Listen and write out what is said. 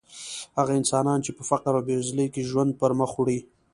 هغه انسانان چې په فقر او بېوزلۍ کې ژوند پرمخ وړي.